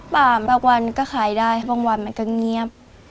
บางวันก็ขายได้บางวันมันก็เงียบ